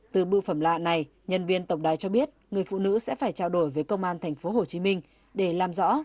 từ bưu phẩm lạ này nhân viên tổng đài cho biết người phụ nữ sẽ phải trao đổi với công an thành phố hồ chí minh để làm rõ